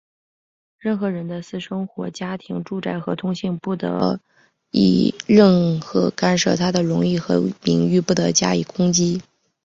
任何人的私生活、家庭、住宅和通信不得任意干涉,他的荣誉和名誉不得加以攻击。